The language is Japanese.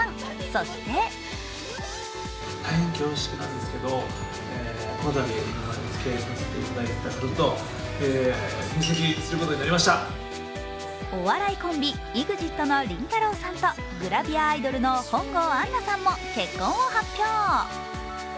そしてお笑いコンビＥＸＩＴのりんたろーさんとグラビアアイドルの本郷杏奈さんも結婚を発表。